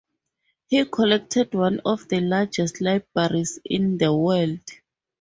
He collected one of the largest libraries in the world.